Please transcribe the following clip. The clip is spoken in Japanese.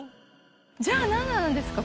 じゃあなんなんですか？